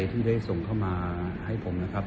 ที่ได้ส่งเข้ามาให้ผมนะครับ